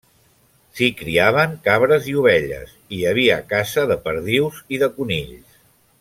S'hi criaven cabres i ovelles, i hi havia caça de perdius i de conills.